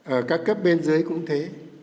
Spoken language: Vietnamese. ở các cấp bên dưới cũng thế